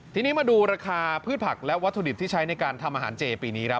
ทีนี้มาดูราคาพืชผักและวัตถุดิบที่ใช้ในการทำอาหารเจปีนี้ครับ